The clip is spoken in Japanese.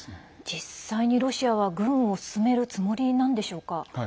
実際に、ロシアは軍を進めるつもりなんでしょうか。